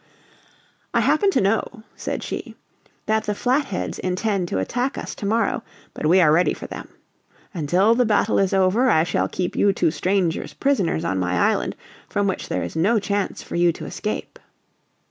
"I happen to know," said she, "that the Flatheads intend to attack us tomorrow, but we are ready for them. Until the battle is over, I shall keep you two strangers prisoners on my island, from which there is no chance for you to escape."